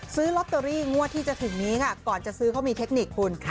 ซื้อลอตเตอรี่งวดที่จะถึงนี้ค่ะก่อนจะซื้อเขามีเทคนิคคุณ